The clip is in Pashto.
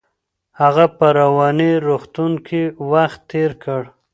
هغه په رواني روغتون کې وخت تیر کړ.